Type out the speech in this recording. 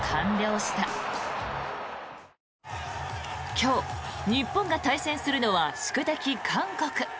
今日、日本が対戦するのは宿敵・韓国。